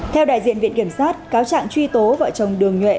theo đại diện viện kiểm sát cáo trạng truy tố vợ chồng đường nhuệ